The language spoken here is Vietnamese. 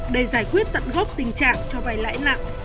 để giải quyết tận gốc tình trạng cho vay lãi nặng